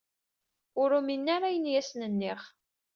Ur uminen ara ayen i asen-nniɣ.